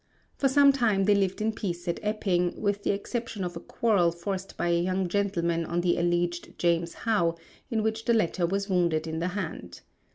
For some time they lived in peace at Epping, with the exception of a quarrel forced by a young gentleman on the alleged James How in which the latter was wounded in the hand.